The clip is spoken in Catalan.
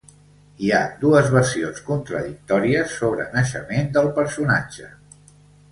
Hi ha dues versions contradictòries sobre naixement del personatge.